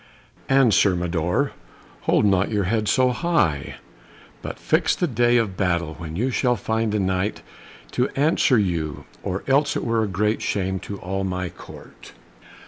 And Sir Mador, hold not your head so high, but fix the day of battle, when you shall find a Knight to answer you, or else it were great shame to all my Court."